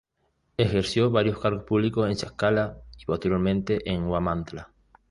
Ejerció varios cargos públicos en Tlaxcala y posteriormente en Huamantla.